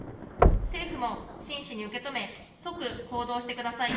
政府も真摯に受け止め、即行動してください。